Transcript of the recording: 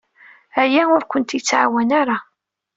Aya ur kent-yettɛawan ara.